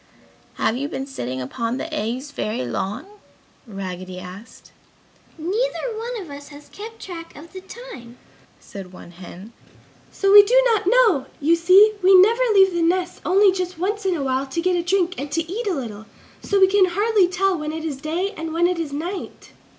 "Have you been sitting upon the eggs very long?" Raggedy asked. "Neither one of us has kept track of the time," said one hen. "So we do not know! You see, we never leave the nests only just once in a while to get a drink and to eat a little. So we can hardly tell when it is day and when it is night."